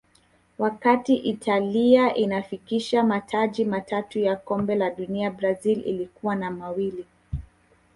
wakati italia inafikisha mataji matatu ya kombe la dunia brazil ilikuwa na mawili